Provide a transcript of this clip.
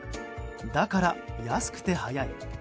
だから、安くて早い。